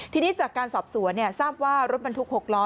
ทีนี้จากการสอบสวนทราบว่ารถบรรทุก๖ล้อ